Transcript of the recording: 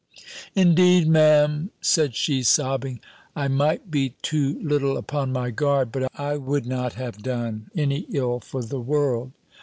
"Indeed, Me'm," said she, sobbing, "I might be too little upon my guard; but I would not have done any ill for the world."